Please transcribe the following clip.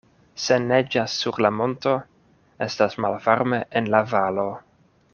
Se neĝas sur la monto, estas malvarme en la valo.